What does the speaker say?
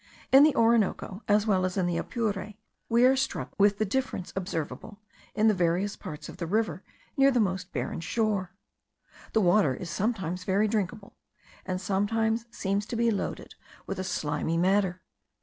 In the Orinoco, as well as in the Apure, we are struck with the difference observable in the various parts of the river near the most barren shore. The water is sometimes very drinkable, and sometimes seems to be loaded with a slimy matter.